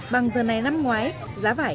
bằng giờ này năm ngoái giá vải